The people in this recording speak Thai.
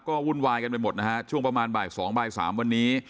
ก็วุ่นวายกันไปหมดช่วงประมาณ๒๓วันนี้